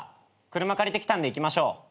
車借りてきたんで行きましょう。